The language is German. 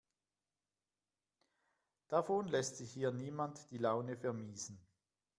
Davon lässt sich hier niemand die Laune vermiesen.